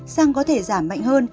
xăng có thể giảm mạnh hơn